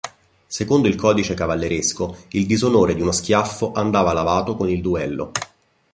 Secondo il codice cavalleresco, il disonore di uno schiaffo andava lavato con il duello.